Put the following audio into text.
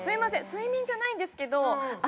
睡眠じゃないんですけど。